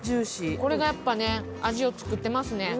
これがやっぱね味を作ってますね。